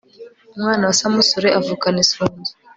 umwana wa samusure avukana isunzu